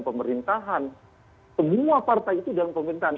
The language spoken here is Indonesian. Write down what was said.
pemerintahan semua partai itu dalam pemerintahan